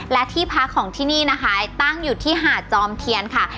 และที่พักของที่นี่นะคะตั้งอยู่ที่หาดจอมเทียนค่ะ